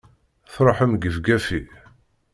Truḥem gefgafi!